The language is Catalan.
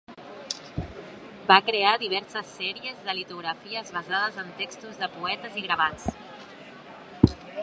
Va crear diverses sèries de litografies basades en textos de poetes i gravats.